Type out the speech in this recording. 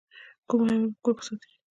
کوم حیوان په کور کې ساتئ؟